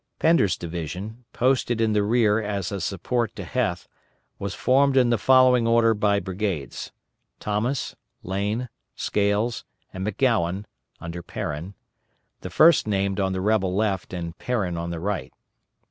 Pender's division, posted in the rear as a support to Heth, was formed in the following order by brigades: Thomas, Lane, Scales, and McGowan (under Perrin); the first named on the rebel left and Perrin on the right.